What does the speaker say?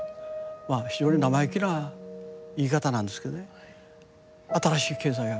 まあ非常に生意気な言い方なんですけどね新しい経済学